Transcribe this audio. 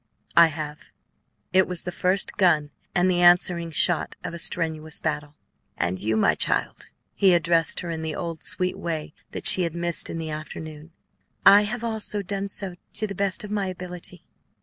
"I have." It was the first gun and the answering shot of a strenuous battle. "And you, my child?" he addressed her in the old sweet way that she had missed in the afternoon. "I have also done so to the best of my ability."